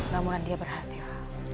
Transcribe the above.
ramuan dia berhasil